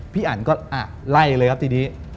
อันก็ไล่เลยครับทีนี้